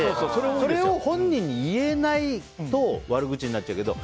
それを本人に言えないと悪口になっちゃうけど。